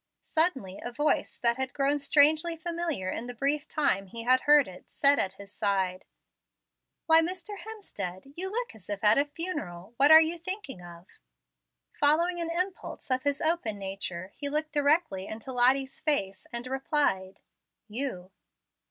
Suddenly a voice that had grown strangely familiar in the brief time he had heard it said at his side, "Why, Mr. Hemstead, you look as if at a funeral. What are you thinking of?" Following an impulse of his open nature, he looked directly into Lottie's face, and replied, "You."